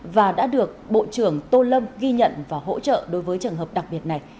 và đã được bộ trưởng tô lâm ghi nhận và hỗ trợ đối với trường hợp đặc biệt này